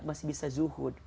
masih bisa zuhud